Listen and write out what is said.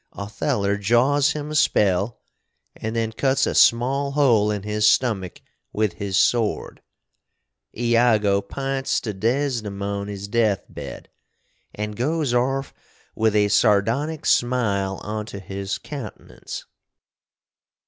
Otheller jaws him a spell & then cuts a small hole in his stummick with his sword. Iago pints to Desdemony's deth bed & goes orf with a sardonic smile onto his countenance.